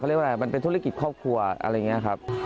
เรียกว่าอะไรมันเป็นธุรกิจครอบครัวอะไรอย่างนี้ครับ